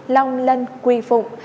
long lân quy phụng